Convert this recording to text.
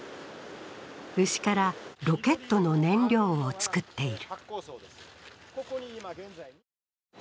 牛からロケットの燃料を作っている。